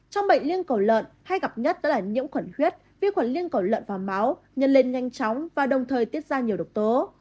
trong bệnh liên cầu lợn hay gặp nhất đó là nhiễm khuẩn huyết vi khuẩn liên cầu lợn và máu nhân lên nhanh chóng và đồng thời tiết ra nhiều độc tố